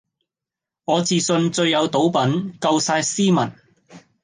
我自信最有賭品,夠曬斯文